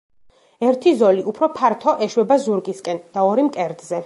ერთი ზოლი, უფრო ფართო, ეშვება ზურგისკენ და ორი მკერდზე.